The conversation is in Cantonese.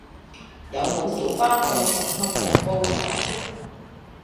有無小巴去紅磡黃埔新邨